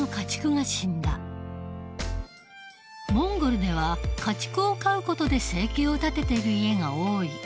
モンゴルでは家畜を飼う事で生計を立てている家が多い。